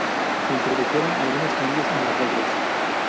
Se introdujeron algunos cambios en las reglas.